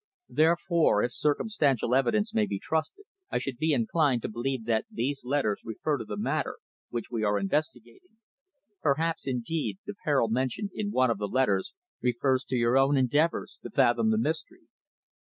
Therefore, if circumstantial evidence may be trusted, I should be inclined to believe that these letters refer to the matter which we are investigating. Perhaps, indeed, the peril mentioned in one of the letters refers to your own endeavours to fathom the mystery."